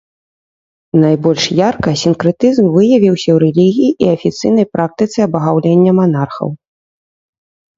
Найбольш ярка сінкрэтызм выявіўся ў рэлігіі і афіцыйнай практыцы абагаўлення манархаў.